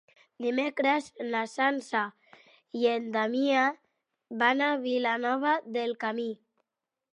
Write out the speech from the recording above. Dimecres na Sança i en Damià van a Vilanova del Camí.